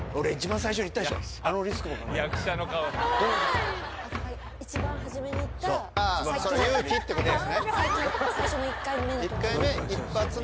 最初の１回目。